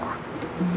うん。